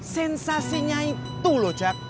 sensasinya itu lo jack